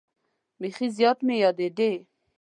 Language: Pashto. بیخي زیات مې یادېدې.